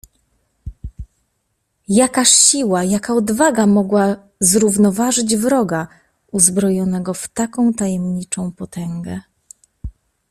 "Jakaż siła, jaka odwaga mogła zrównoważyć wroga, uzbrojonego w taką tajemniczą potęgę?"